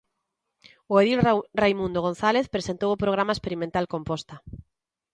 O edil Raimundo González presentou o programa experimental Composta.